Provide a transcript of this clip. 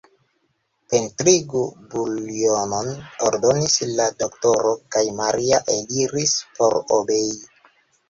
Pretigu buljonon, ordonis la doktoro, kaj Maria eliris por obei.